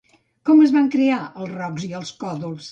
Com es van crear els rocs i els còdols?